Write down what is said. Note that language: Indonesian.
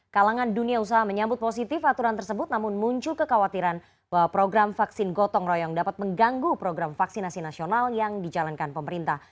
kalangan dunia usaha menyambut positif aturan tersebut namun muncul kekhawatiran bahwa program vaksin gotong royong dapat mengganggu program vaksinasi nasional yang dijalankan pemerintah